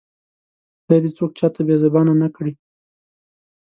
خدای دې څوک چاته بې زبانه نه کړي